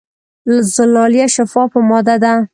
زلالیه شفافه ماده ده.